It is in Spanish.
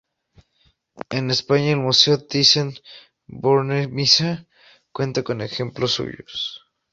En España, el Museo Thyssen-Bornemisza cuenta con ejemplos suyos.